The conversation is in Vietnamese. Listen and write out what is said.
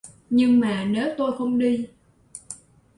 Nhưng mà nếu tôi không đi